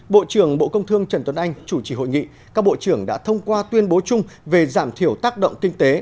bộ trưởng bộ công thương trần tuấn anh chủ trì hội nghị các bộ trưởng đã thông qua tuyên bố chung về giảm thiểu tác động kinh tế